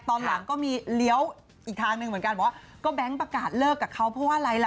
ตอนหลังก็มีเลี้ยวอีกทางหนึ่งเหมือนกันบอกว่าก็แบงค์ประกาศเลิกกับเขาเพราะว่าอะไรล่ะ